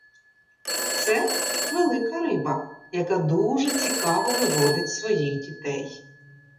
Це — велика риба, яка дуже цікаво виводить своїх дітей.